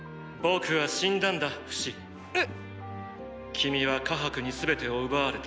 君はカハクに全てを奪われた。